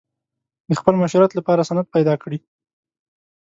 د خپل مشروعیت لپاره سند پیدا کړي.